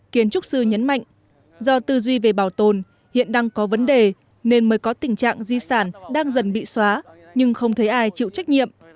kiến trúc sư nhấn mạnh do tư duy về bảo tồn hiện đang có vấn đề nên mới có tình trạng di sản đang dần bị xóa nhưng không thấy ai chịu trách nhiệm